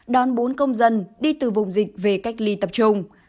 đón bốn công dân đi từ vùng dịch về cách ly tập trung